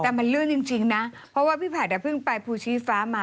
แต่มันลื่นจริงนะเพราะว่าพี่ผัดเพิ่งไปภูชีฟ้ามา